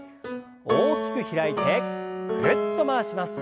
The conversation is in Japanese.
大きく開いてぐるっと回します。